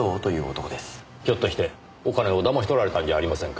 ひょっとしてお金を騙し取られたんじゃありませんか。